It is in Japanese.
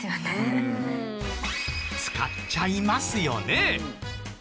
使っちゃいますよね。